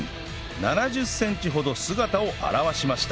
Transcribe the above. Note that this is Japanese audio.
７０センチほど姿を現しました